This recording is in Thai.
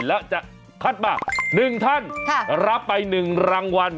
แล้วจะคัดมา๑ท่านรับไป๑รางวัล